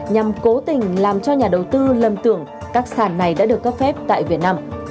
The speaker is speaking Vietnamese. nhằm cố tình làm cho nhà đầu tư lầm tưởng các sản này đã được cấp phép tại việt nam